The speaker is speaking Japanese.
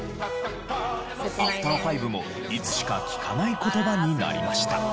アフター５もいつしか聞かない言葉になりました。